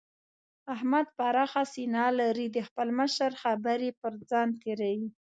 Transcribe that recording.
احمد پراخه سينه لري؛ د خپل مشر خبرې پر ځان تېروي.